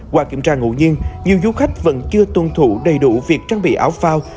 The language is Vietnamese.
qua kiểm tra ngẫu nhiên nhiều du khách vẫn chưa tuân thủ đầy đủ việc trang bị áo phao